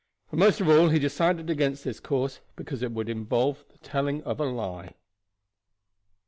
But most of all he decided against this course because it would involve the telling of a lie.